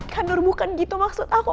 kanur bukan gitu maksud aku